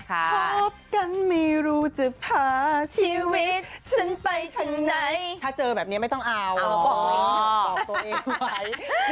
คบกันไม่รู้จะพาชีวิตฉันไปถึงไหนถ้าเจอแบบนี้ไม่ต้องเอาบอกตัวเองถูกไหม